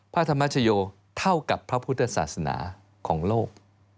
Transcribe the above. พระธรรมชโยเท่ากับพระพุทธศาสนาของโลก